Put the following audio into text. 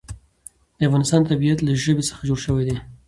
د افغانستان طبیعت له ژبې څخه جوړ شوی دی.